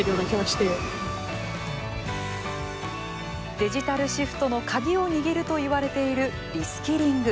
デジタルシフトの鍵を握るといわれているリスキリング。